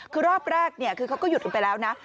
คือรอบแรกคือเขาก็หยุดกันไปแล้วนะ